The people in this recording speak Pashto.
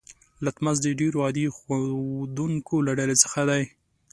لتمس د ډیرو عادي ښودونکو له ډلې څخه دی.